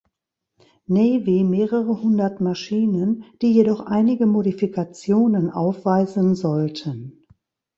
Navy mehrere hundert Maschinen, die jedoch einige Modifikationen aufweisen sollten.